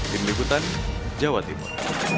dini kutan jawa timur